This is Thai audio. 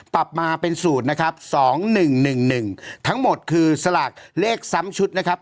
ปรับมาเป็นสูตรนะครับสองหนึ่งหนึ่งหนึ่งทั้งหมดคือสลากเลขซ้ำชุดนะครับ